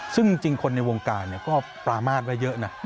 ซึ่งจริงคนในวงการก็ปรามาทไว้เยอะนะ